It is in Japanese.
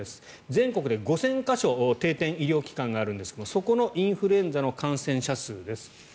全国で５０００か所定点医療機関があるんですがそこのインフルエンザの感染者数です。